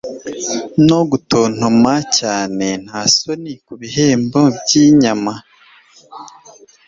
no gutontoma cyane nta soni kubihembo byinyama